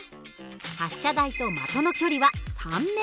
発射台と的の距離は３ｍ。